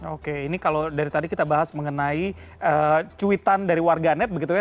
oke ini kalau dari tadi kita bahas mengenai cuitan dari warganet begitu ya